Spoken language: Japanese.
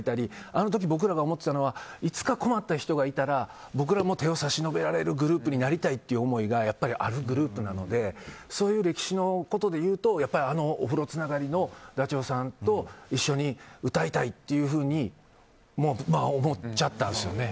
あの時、僕らが思っていたのはいつか困った人がいたら僕らも手を差し伸べられるグループになりたいっていう思いがあるグループなのでそういう歴史のことでいうとお風呂つながりのダチョウさんと一緒に歌いたいというふうに思っちゃったんですよね。